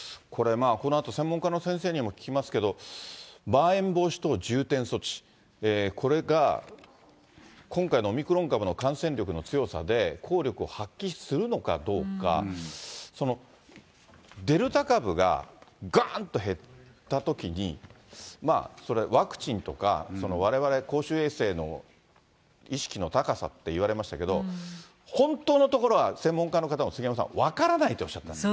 これ、このあと専門家の先生にも聞きますけれども、まん延防止等重点措置、これが今回のオミクロン株の感染力の強さで、効力を発揮するのかどうか、デルタ株ががーんと減ったときに、ワクチンとか、われわれ公衆衛生の意識の高さっていわれましたけど、本当のところは、専門家の方も、杉山さん、分からないとおっしゃった。